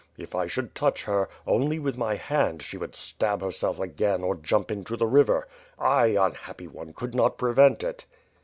If I should touch 430 ^^^^^^^^ ^^D SWOltD. her, only with my hand, she would stab herself again or jump into the riyer. I! unhappy one, could not prevent it."